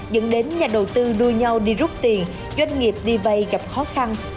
dẫn đến nhà đầu tư đua nhau đi rút tiền doanh nghiệp đi vay gặp khó khăn